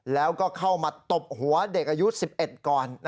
แล้วก็เข้ามาตบหัวเด็กอายุ๑๑ก่อน